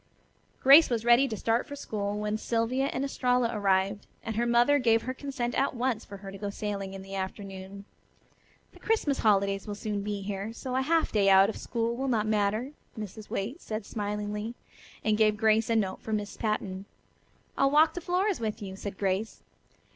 Grace was ready to start for school when Sylvia and Estralla arrived, and her mother gave her consent at once for her to go sailing in the afternoon. "The Christmas holidays will soon be here, so a half day out of school will not matter," Mrs. Waite said smilingly, and gave Grace a note for Miss Patten. "I'll walk to Flora's with you," said Grace.